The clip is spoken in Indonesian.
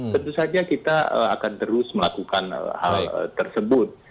tentu saja kita akan terus melakukan hal tersebut